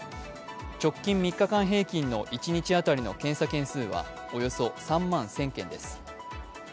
直近３日間平均の一日当たりの検査件数はおよそ３万１０００件です。